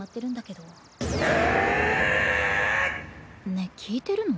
ねえ聞いてるの？